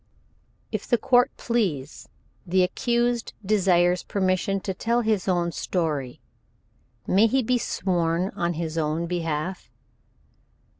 "If the court please, the accused desires permission to tell his own story. May he be sworn on his own behalf?"